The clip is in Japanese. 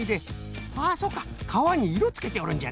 はそうかかわにいろつけておるんじゃな。